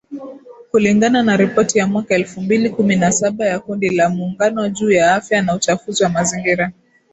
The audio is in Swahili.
kulingana na ripoti ya mwaka elfu mbili kumi na saba ya kundi la Muungano juu ya Afya na Uchafuzi wa mazingira